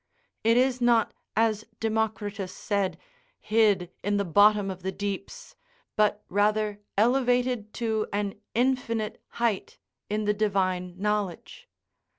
It is not, as Democritus said, hid in the bottom of the deeps, but rather elevated to an infinite height in the divine knowledge.